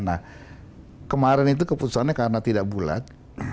nah kemarin itu keputusannya karena tidak bulat